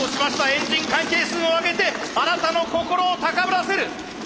エンジン回転数を上げてあなたの心を高ぶらせる！